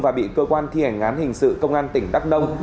và bị cơ quan thi hành án hình sự công an tỉnh đắk nông